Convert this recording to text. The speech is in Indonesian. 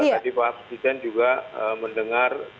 tadi pak presiden juga mendengar